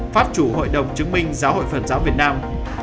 pháp chủ hội đồng chứng minh giáo hội phật giáo việt nam